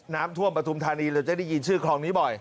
น้ำท่วมปฐุมธานีเลยจะได้ยินชื่อคลองนี้บ่อย